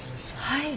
はい。